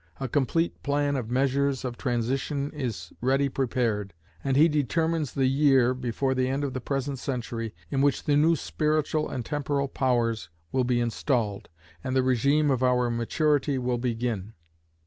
A complete plan of measures of transition is ready prepared, and he determines the year, before the end of the present century, in which the new spiritual and temporal powers will be installed, and the regime of our maturity will begin.